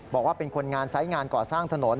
บอกว่าเป็นคนงานไซส์งานก่อสร้างถนน